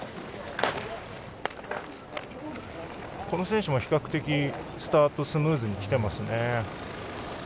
この選手も比較的スタートスムーズに来てますね。